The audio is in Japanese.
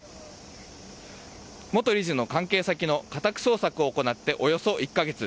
元理事の関係先の家宅捜索を行っておよそ１か月。